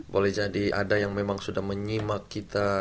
boleh jadi ada yang memang sudah menyimak kita